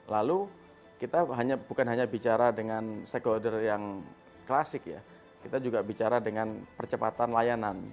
lalu kita bukan hanya bicara dengan stakeholder yang klasik ya kita juga bicara dengan percepatan layanan